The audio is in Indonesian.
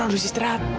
kamu harus istirahat